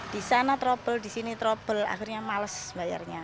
di sana trouble di sini trouble akhirnya males bayarnya